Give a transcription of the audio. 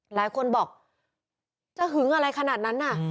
หลายคนบอกจะหึงอะไรขนาดนั้นน่ะ